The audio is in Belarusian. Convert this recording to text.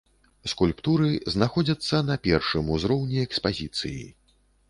Скульптуры знаходзяцца на першым ўзроўні экспазіцыі.